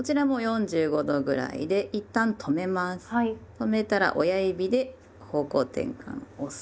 止めたら親指で方向転換押す。